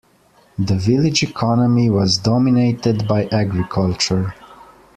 The village economy was dominated by agriculture.